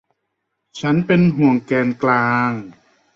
ฉันเป็นห่วงแกนกลาง